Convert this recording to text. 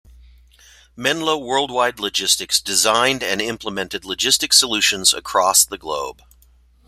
Menlo Worldwide Logistics designed and implemented logistics solutions across the globe.